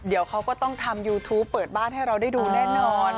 เดี๋ยวเขาก็ต้องทำยูทูปเปิดบ้านให้เราได้ดูแน่นอน